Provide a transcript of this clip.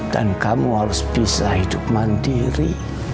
dan kamu harus bisa hidup mandiri